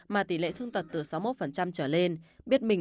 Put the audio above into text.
mà tỷ lệ thương tật từ sáu mươi một trở lên